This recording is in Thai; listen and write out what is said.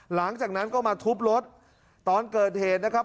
หลังจากนั้นก็มาทุบรถตอนเกิดเหตุนะครับ